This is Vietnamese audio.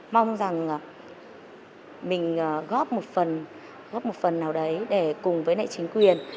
mong rằng mình góp một phần nào đấy để cùng với nệ chính quyền